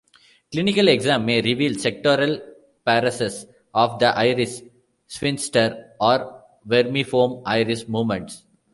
Clinical exam may reveal sectoral paresis of the iris sphincter or vermiform iris movements.